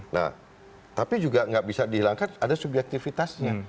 nah tapi juga nggak bisa dihilangkan ada subjektivitasnya